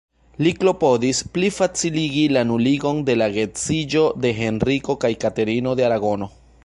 Li klopodis plifaciligi la nuligon de la geedziĝo de Henriko kaj Katerino de Aragono.